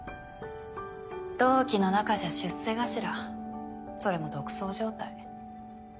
同期の中じゃ出世頭それも独走状態。